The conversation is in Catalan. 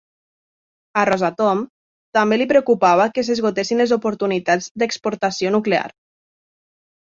A Rosatom també li preocupava que s'esgotessin les oportunitats d'exportació nuclear.